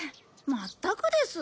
まったくです。